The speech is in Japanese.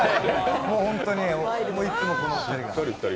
本当に、いつもこの２人が。